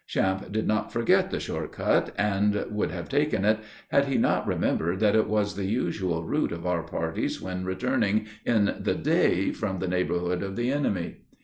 Champe did not forget the short cut, and would have taken it, had he not remembered that it was the usual route of our parties when returning in the day from the neighborhood of the enemy.